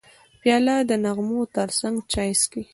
پیاله د نغمو ترڅنګ چای څښي.